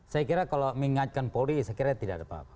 saya kira kalau mengingatkan polri saya kira tidak ada apa apa